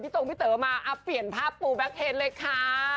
ตรงพี่เต๋อมาเปลี่ยนภาพปูแบ็คเทนเลยค่ะ